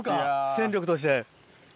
戦力として。